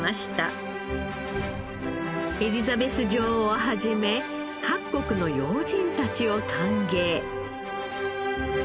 エリザベス女王を始め各国の要人たちを歓迎。